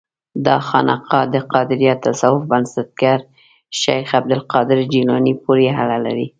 دا خانقاه د قادریه تصوف بنسټګر شیخ عبدالقادر جیلاني پورې اړه لري.